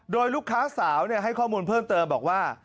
โดยลูกค้าสาวให้ข้อมูลเพิ่มเติมบอกว่า